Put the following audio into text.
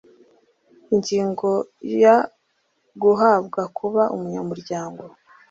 Ingingo ya Guhabwa kuba umunyamuryango